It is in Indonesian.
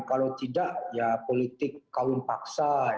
kalau tidak ya politik kawun paksa